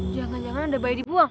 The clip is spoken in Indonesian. jangan jangan anda bayi dibuang